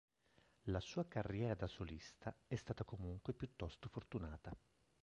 La sua carriera da solista è stata comunque piuttosto fortunata.